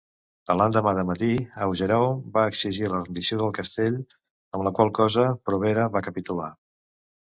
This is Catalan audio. A l'endemà de matí, Augereau va exigir la rendició del castell, amb la qual cosa Provera va capitular.